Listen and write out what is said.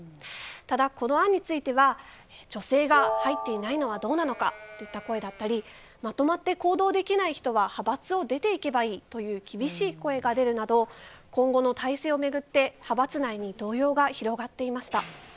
ただ、この案については女性が入っていないのはどうなのかといった声だったりまとまって行動できない人は派閥を出て行けばいいという厳しい声が出るなど今後の体制を巡って派閥内に動揺が広がっていました。